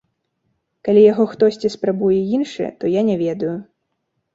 Калі яго хтосьці спрабуе іншы, то я не ведаю.